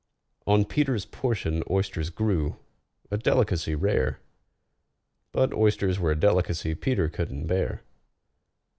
On PETER'S portion oysters grew—a delicacy rare, But oysters were a delicacy PETER couldn't bear.